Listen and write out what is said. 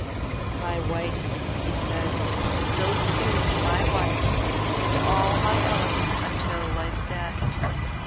"My wife!" he said "so soon my wife and all my own until life's end."